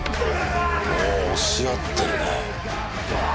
お押し合ってるね。